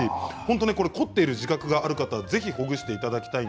凝っている自覚がある方はぜひほぐしてください。